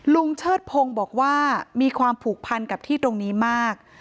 เชิดพงศ์บอกว่ามีความผูกพันกับที่ตรงนี้มาก